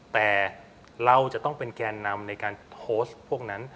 แต่เราจะต้องเป็นแกนนำในการโพสต์พวกนั้น